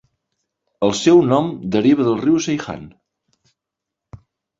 El seu nom deriva del riu Seyhan.